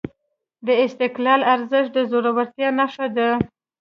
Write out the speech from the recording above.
د استقلال ارزښت د زړورتیا نښه ده.